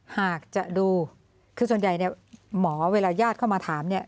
หากจะดูคือส่วนใหญ่เนี่ยหมอเวลาญาติเข้ามาถามเนี่ย